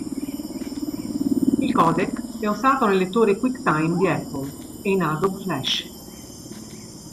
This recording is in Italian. Il codec è usato nel lettore QuickTime di Apple e in Adobe Flash.